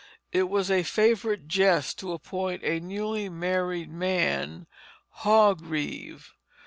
It was a favorite jest to appoint a newly married man hog reeve.